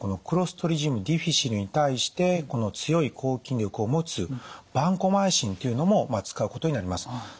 クロストリジウム・ディフィシルに対して強い抗菌力を持つバンコマイシンっていうのも使うことになります。